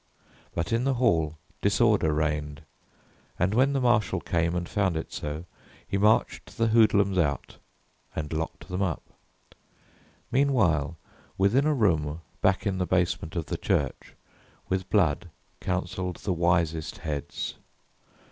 But in the hall Disorder reigned and when the marshal came And found it so, he marched the hoodlums out And locked them up. Meanwhile within a room Back in the basement of the church, with Blood Counseled the wisest heads.